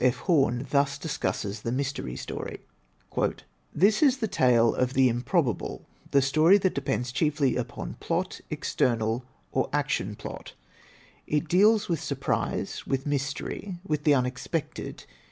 F. Home thus discusses the mystery story: "This is the tale of the Improbable, the story that depends chiefly upon plot, external or action plot. It deals with sur prise, with mystery, with the unexpected.